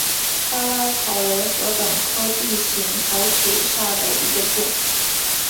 巴拉草为禾本科臂形草属下的一个种。